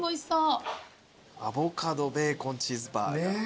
アボカドベーコンチーズバーガー。